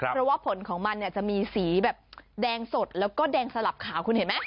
เพราะว่าผลของมันเนี่ยจะมีสีแบบแดงสดแล้วก็แดงสลับขาวคุณเห็นไหม